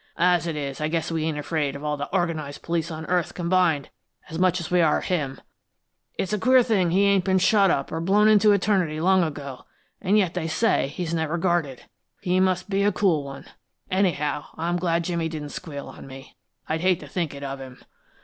As it is, I guess we ain't afraid of all the organized police on earth combined, as much as we are of him. It's a queer thing he ain't been shot up or blown into eternity long ago, an' yet they say he's never guarded. He must be a cool one! Anyhow, I'm glad Jimmy didn't squeal on me; I'd hate to think it of him.